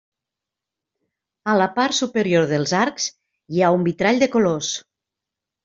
A la part superior dels arcs hi ha un vitrall de colors.